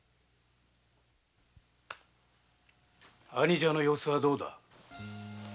兄上の様子はどうじゃ？